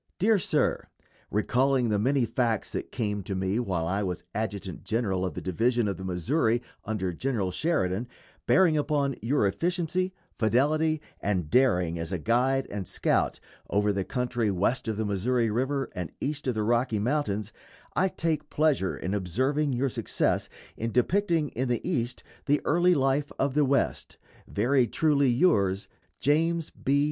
_ DEAR SIR: Recalling the many facts that came to me while I was adjutant general of the Division of the Missouri under General Sheridan, bearing upon your efficiency, fidelity, and daring as a guide and scout over the country west of the Missouri River and east of the Rocky Mountains, I take pleasure in observing your success in depicting in the East the early life of the West. Very truly yours, JAMES B.